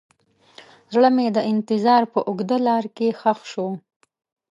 زړه مې د انتظار په اوږده لاره کې ښخ شو.